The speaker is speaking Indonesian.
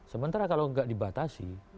sementara kalau tidak dibatasi